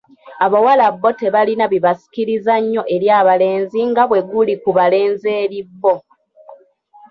Abawala bo tebalina bibasikiriza nnyo eri abalenzi nga bwe guli ku balenzi eri bo.